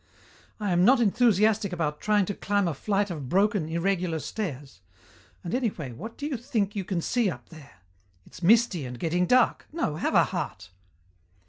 "I am not enthusiastic about trying to climb a flight of broken, irregular stairs. And anyway, what do you think you can see up there? It's misty and getting dark. No, have a heart."